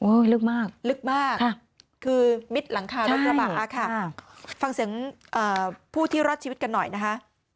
ลึกมากลึกมากคือมิดหลังคารถกระบะค่ะฟังเสียงผู้ที่รอดชีวิตกันหน่อยนะคะ